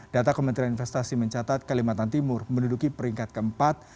data kementerian investasi mencatat kalimantan timur menduduki peringkat keempat